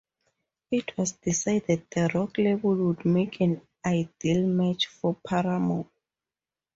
It was decided the rock label would make an ideal match for Paramore.